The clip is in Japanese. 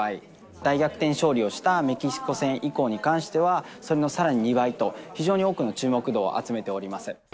大逆転勝利をしたメキシコ戦以降に関しては、それのさらに２倍と、非常に多くの注目度を集めております。